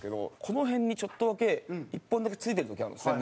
この辺にちょっとだけ１本だけ付いてる時あるんですね